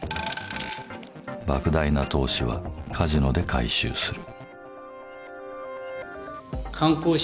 莫大な投資はカジノで回収する。